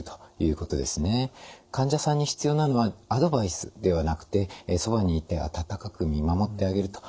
患者さんに必要なのはアドバイスではなくてそばにいて温かく見守ってあげると。